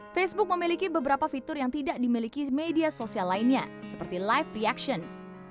facebook memiliki beberapa fitur yang tidak dimiliki media sosial lainnya seperti live reactions